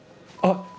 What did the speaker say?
あっ！